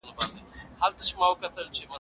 موږ نه پوهیږو چي په حقیقت کي څه غواړو.